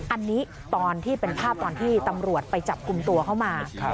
อันนี้ตอนที่เป็นภาพตอนที่ตำรวจไปจับกลุ่มตัวเข้ามา